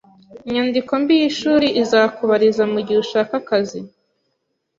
Inyandiko mbi yishuri izakubariza mugihe ushaka akazi